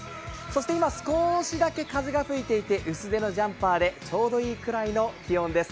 そして今、少しだけ風が吹いていて薄手のジャンパーでちょうどいいくらいの気温です。